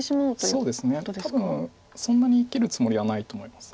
そうですね多分そんなに生きるつもりはないと思います。